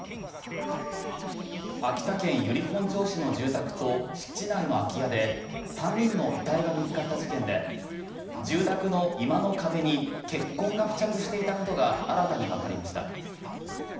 秋田県由利本荘市の住宅と敷地内の空き家で３人の遺体が見つかった事件で住宅の居間の壁に血痕が付着していたことが新たにわかりました。